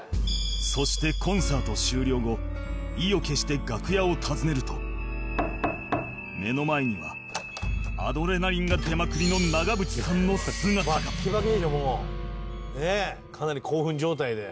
そしてコンサート終了後意を決して楽屋を訪ねると目の前にはアドレナリンが出まくりの「ねえかなり興奮状態で」